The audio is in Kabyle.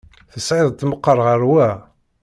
Tesεiḍ-t meqqer ɣer wa?